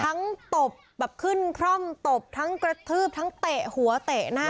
ทั้งตบแบบขึ้นเข้อเติบทั้งกระทืบทั้งแตะหัวเตะหน้า